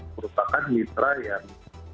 merupakan mitra yang